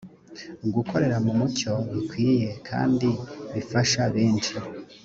gukorera mu mucyo bikwiye kandi bifasha benshi